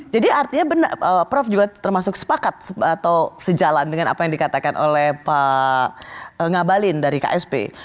jadi artinya prof juga termasuk sepakat atau sejalan dengan apa yang dikatakan oleh pak ngabalin dari ksp